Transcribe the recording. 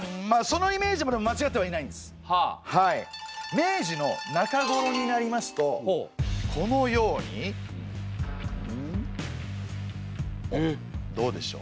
明治のなかごろになりますとこのようにどうでしょう？